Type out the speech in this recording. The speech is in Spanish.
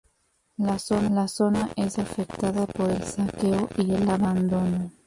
La zona es afectada por el saqueo y el abandono.